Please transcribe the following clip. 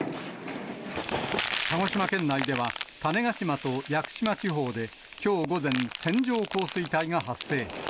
鹿児島県内では、種子島と屋久島地方できょう午前、線状降水帯が発生。